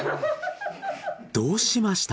どうしました？